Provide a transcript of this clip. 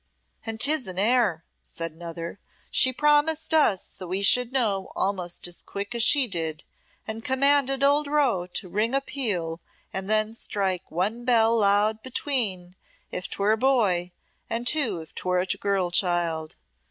"And 'tis an heir," said another. "She promised us that we should know almost as quick as she did, and commanded old Rowe to ring a peal, and then strike one bell loud between if 'twere a boy, and two if 'twere a girl child.